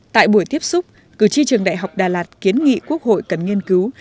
tại buổi tiếp xúc cử tri trường đại học đà lạt kiến nghị quốc hội cần nghiên cứu